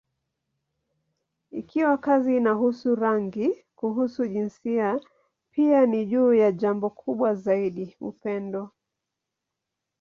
Ikiwa kazi inahusu rangi, kuhusu jinsia, pia ni juu ya jambo kubwa zaidi: upendo.